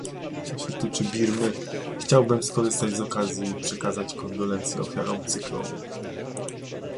Co się tyczy Birmy, chciałbym skorzystać z okazji i przekazać kondolencje ofiarom cyklonu